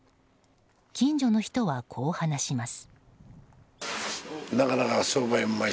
近所の人はこう話します。